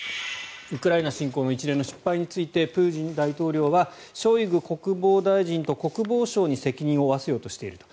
ウクライナ侵攻の一連の失敗についてプーチン大統領はショイグ国防大臣と国防省に責任を負わせようとしていると。